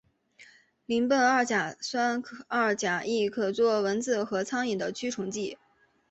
邻苯二甲酸二甲酯可用作蚊子和苍蝇的驱虫剂。